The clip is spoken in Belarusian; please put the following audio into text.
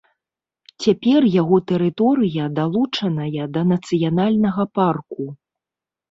Цяпер яго тэрыторыя далучаная да нацыянальнага парку.